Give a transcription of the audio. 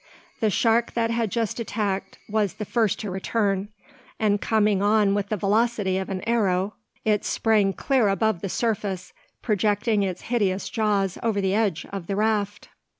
The shark that had just attacked was the first to return; and coming on with the velocity of an arrow, it sprang clear above the surface, projecting its hideous jaws over the edge of the raft.